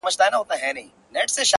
د یوه نیکه اولاد بولي ځانونه!